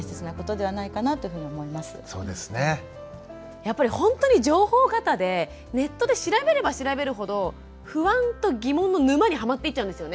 やっぱりほんとに情報過多でネットで調べれば調べるほど不安と疑問の沼にハマっていっちゃうんですよね。